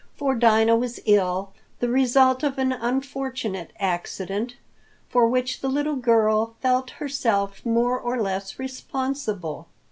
For Dinah was ill, the result of an unfortunate accident, for which the little girl felt herself more or less responsible.